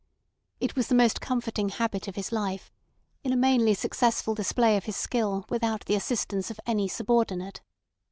It was the most comforting habit of his life, in a mainly successful display of his skill without the assistance of any subordinate.